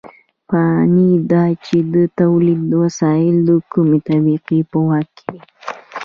یانې دا چې د تولید وسایل د کومې طبقې په واک کې دي.